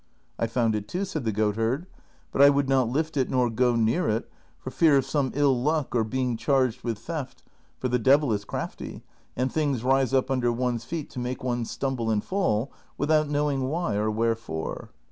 " I found it too," said the goatherd, '' but I would not lift it nor go near it for fear of some ill luck or being charged with CHAPTER XX in. 177 theft, for the devil is crafty, and things rise up under one's feet to make one stumble and fall without knowing why or wherefore."